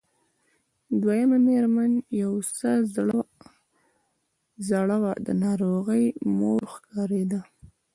دويمه مېرمنه چې يو څه زړه وه د ناروغې مور ښکارېده.